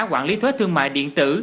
quản lý thuế thương mại điện tử